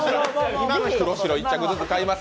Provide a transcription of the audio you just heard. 今の白、黒、１着ずつ買います。